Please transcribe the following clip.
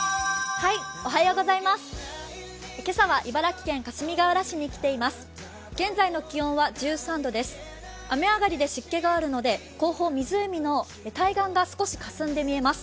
今朝は茨城県かすみがうら市に来ています。